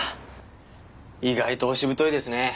意外としぶといですね。